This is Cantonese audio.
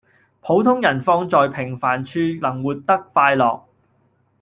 普通人放在平凡處能活得快樂